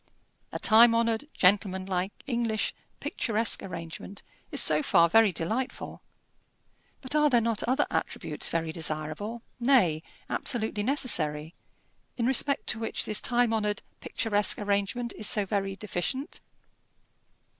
A time honoured, gentlemanlike, English, picturesque arrangement is so far very delightful. But are there not other attributes very desirable nay, absolutely necessary in respect to which this time honoured, picturesque arrangement is so very deficient?